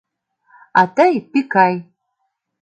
А тый — Пикай...